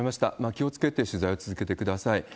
気をつけて取材を続けてください。